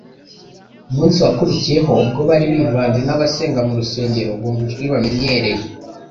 Umunsi wakurikiyeho, ubwo bari bivanze n'abasenga mu rusengero, bumva ijwi bamenyereye